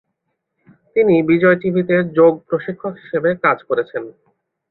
তিনি বিজয় টিভিতে যোগ প্রশিক্ষক হিসাবে কাজ করেছেন।